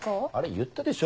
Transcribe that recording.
言ったでしょ